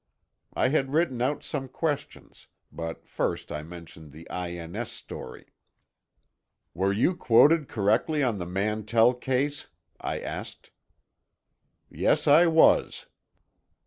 I had written out some questions, but first I mentioned the I.N.S. story. "Were you quoted correctly on the Mantell case?" I asked. "Yes, I was."